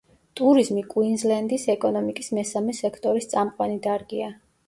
ტურიზმი კუინზლენდის ეკონომიკის მესამე სექტორის წამყვანი დარგია.